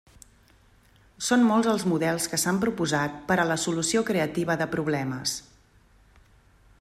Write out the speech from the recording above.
Són molts els models que s’han proposat per a la solució creativa de problemes.